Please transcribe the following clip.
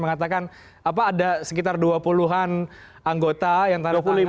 mengatakan ada sekitar dua puluh an anggota yang